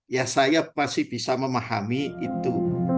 ya saya pasti bisa memahami itu